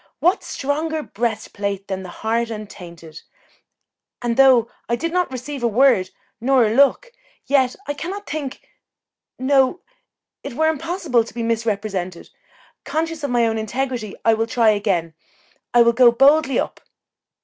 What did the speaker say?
What stronger breast plate than a heart untainted? and though I did not receive a word nor a look, yet I cannot think no, it were impossible to be misrepresented. Conscious of my own integrity, I will try again I will go boldly up."